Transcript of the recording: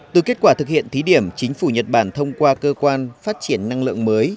từ kết quả thực hiện thí điểm chính phủ nhật bản thông qua cơ quan phát triển năng lượng mới